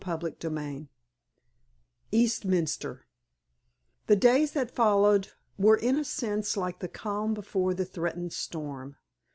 CHAPTER XXVIII EASTMINSTER The days that followed were, in a sense, like the calm before the threatened storm.